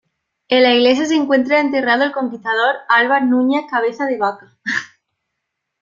En la iglesia se encuentra enterrado el conquistador Álvar Núñez Cabeza de Vaca.